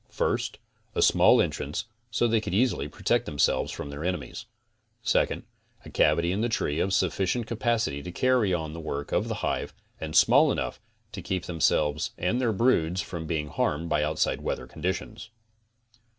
First, a small entrance so that they could easily protect themselves from, their enemies. Second, a cavity in the tree of sufficient capacity to carry on the work of the hive, and small enough to keep them selves and their brood from being harmed by outside weather conditions.